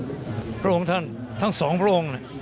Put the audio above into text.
พระองค์ท่านทั้งสองพระองค์